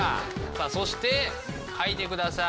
さあそして書いてください。